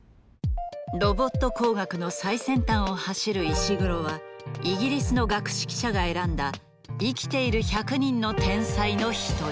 ロボット工学の最先端を走る石黒はイギリスの学識者が選んだ生きている１００人の天才の一人。